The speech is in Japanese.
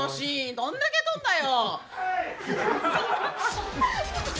どんだけ撮んだよ！